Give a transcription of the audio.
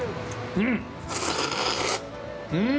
うん！